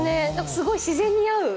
すごい自然に合う。